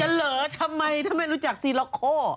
แล้วเหลือทำไมทำไมรู้จักซีร้อโค